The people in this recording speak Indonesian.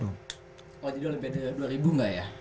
oh jadi olimpiade dua ribu nggak ya